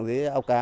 với áo cá